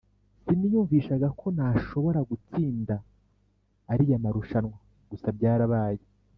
simiyumvishaga ko nashobora gutsinda ariya marushanwa gusa byarabaye